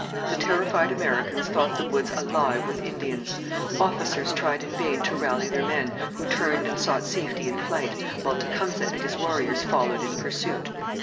The terrified Americans thought the woods alive with Indians. Officers tried in vain to rally their men, who turned and sought safety in flight, while Tecumseh and his warriors followed in pursuit.